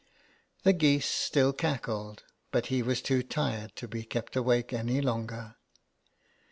The geese still cackled, but he was too tired to be kept awake any longer.